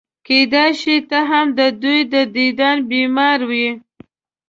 کېدای شي ته هم د دوی د دیدن بیماره وې.